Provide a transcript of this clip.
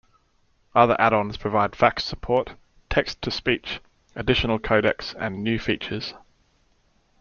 Other add-ons provide fax support, text-to-speech, additional codecs and new features.